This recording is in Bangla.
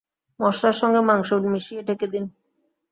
মসলার সঙ্গে মাংস মিশিয়ে ঢেকে দিন।